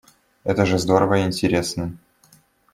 Это же здорово и интересно.